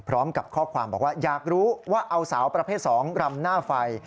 พร้อมกับข้อความบอกว่าอยากรู้ว่าเอาสาวประเภท๒รำหน้าไฟ